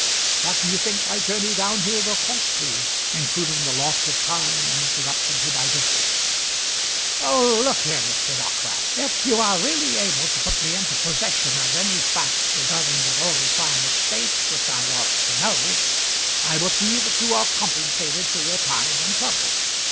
What do you think my journey down here will cost me, including loss of time, and interruption to my business?" "Look here, Mr. Dockwrath; if you are really able to put me into possession of any facts regarding the Orley Farm estate which I ought to know, I will see that you are compensated for your time and trouble.